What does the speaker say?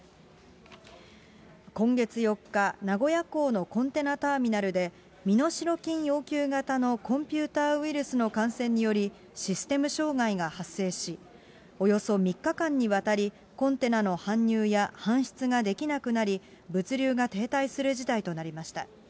今月４日、名古屋港のコンテナターミナルで、身代金要求型のコンピューターウイルスの感染により、システム障害が発生し、およそ３日間にわたり、コンテナの搬入や搬出ができなくなり、物流が停滞する事態となりました。